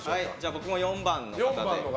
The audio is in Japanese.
僕も４番の方。